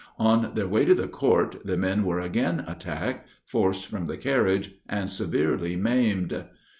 On their way to the court, the men were again attacked, forced from the carriage, and severely maimed.